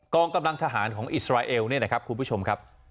องกำลังทหารของอิสราเอลเนี่ยนะครับคุณผู้ชมครับ